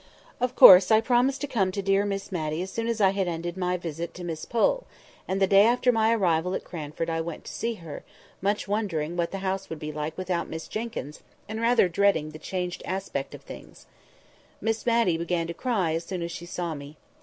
Of course I promised to come to dear Miss Matty as soon as I had ended my visit to Miss Pole; and the day after my arrival at Cranford I went to see her, much wondering what the house would be like without Miss Jenkyns, and rather dreading the changed aspect of things. Miss Matty began to cry as soon as she saw me.